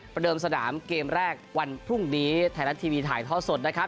เดิมสนามเกมแรกวันพรุ่งนี้ไทยรัฐทีวีถ่ายท่อสดนะครับ